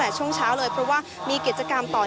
พาคุณผู้ชมไปติดตามบรรยากาศกันที่วัดอรุณราชวรรมหาวิหารค่ะ